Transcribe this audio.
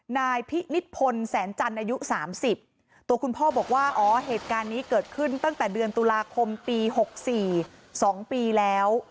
นายพินิษพลแสนจันทร์อายุ๓๐ตัวคุณพ่อบอกว่าอ๋อเหตุการณ์นี้เกิดขึ้นตั้งแต่เดือนตุลาคมปี๖๔๒ปีแล้ว